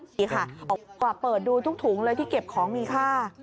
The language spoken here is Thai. คือแมวมันเข้ามากกว่าเปิดดูทุกเลยที่เก็บของมีค่า